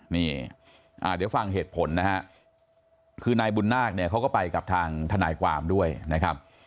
นี่เดี๋ยวฟังเหตุผลนะฮะคือนายบุญนาคเนี่ยเขาก็ไปกับทางทนายความด้วยนะครับ